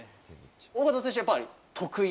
緒方選手はやっぱり得意？